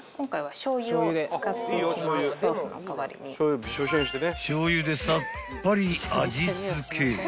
［しょうゆでさっぱり味付け］